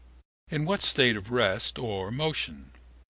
In what state of rest or motion?